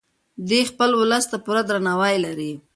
دی خپل ولس ته پوره درناوی لري.